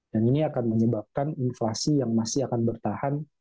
dan ini akan menyebabkan inflasi yang masih akan bertahan